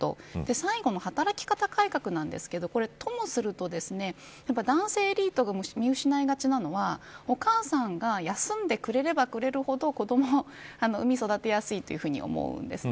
最後の働き方改革ですがこれは、ともすると男性エリートが見失いがちなのがお母さんが休めば休むほど子どもを生み育てやすいと思うんですね。